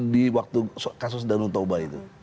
di waktu kasus danau toba itu